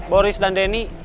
boris dan denny